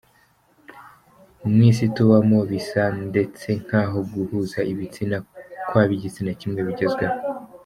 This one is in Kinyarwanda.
"Mu isi tubamo, bisa ndetse nkaho guhuza ibitsina kw'ab'igitsina kimwe bigezweho.